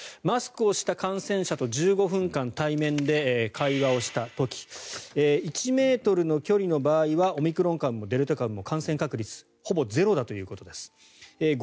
マスクをした感染者と１５分間対面で会話をした時１ｍの距離の場合はオミクロン株もデルタ株も感染確率ほぼゼロだということです。